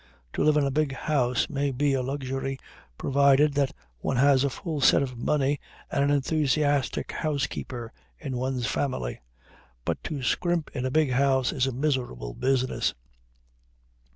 To live in a big house may be a luxury, provided that one has a full set of money and an enthusiastic housekeeper in one's family; but to scrimp in a big house is a miserable business.